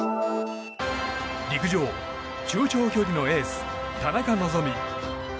陸上、中長距離のエース田中希実。